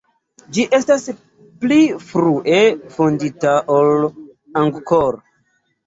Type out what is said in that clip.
Ĝi estis pli frue fondita ol Angkor.